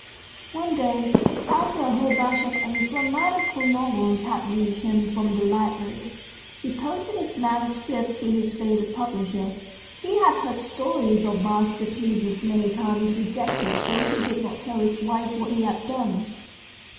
One day, after a whole batch of ungram matical novels had reached him from the library, he posted his manuscript to his favourite publisher. He had heard stories of masterpieces many times rejected, so he did not tell his wife what he had done.